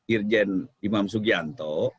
irjen imam sugianto